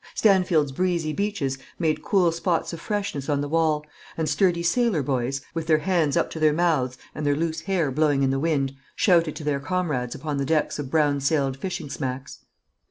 Stanfield's breezy beaches made cool spots of freshness on the wall, and sturdy sailor boys, with their hands up to their mouths and their loose hair blowing in the wind, shouted to their comrades upon the decks of brown sailed fishing smacks.